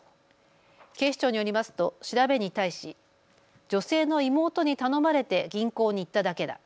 警視庁によりますと調べに対し女性の妹に頼まれて銀行に行っただけだ。